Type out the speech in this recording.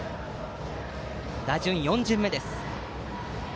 打順は４巡目です。